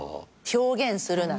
表現するな。